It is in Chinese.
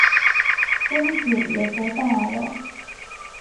孙子也都大了